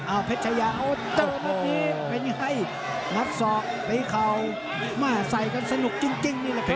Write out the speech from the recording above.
เอ่อเพชยาพันธ์ให้หลัดซอดเหนย์เข่ามาใส่กันสนุกจริงนี่แหละครับ